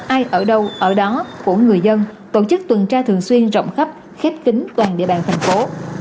ai ở đâu ở đó của người dân tổ chức tuần tra thường xuyên rộng khắp khép kính toàn địa bàn thành phố